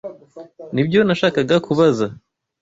Nibyo nashakaga kubaza.